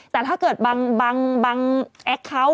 แต่ถ้าเกิดบางแอคเคาน์